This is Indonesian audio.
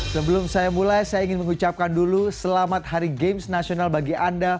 sebelum saya mulai saya ingin mengucapkan dulu selamat hari games nasional bagi anda